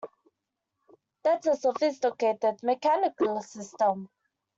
That's a sophisticated mechanical system!